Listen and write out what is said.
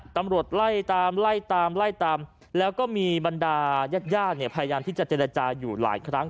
ตำรวจไล่ตามไล่ตามไล่ตามแล้วก็มีบรรดายาดเนี่ยพยายามที่จะเจรจาอยู่หลายครั้ง